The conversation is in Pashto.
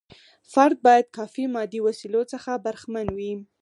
فرد باید کافي مادي وسیلو څخه برخمن وي.